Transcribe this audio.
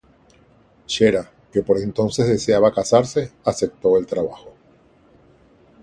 Shera, que por entonces deseaba casarse, aceptó el trabajo.